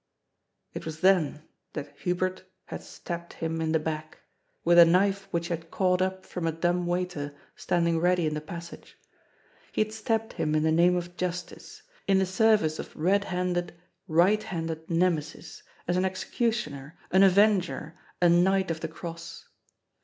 It was then that Hubert had stabbed him in the back, with a knife which he had caught up from a dumb waiter standing ready in the passage. He had stabbed him in the name of Justice, in the service of red handed, right handed Nemesis, as an executioner, an avenger, a Knight of the Cross.